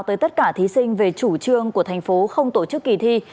tới tất cả thí sinh về chủ trương của thành phố không tổ chức kỳ thi